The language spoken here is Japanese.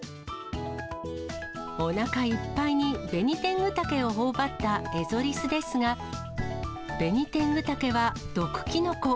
おなかいっぱいにベニテングタケをほおばったエゾリスですが、ベニテングタケは毒キノコ。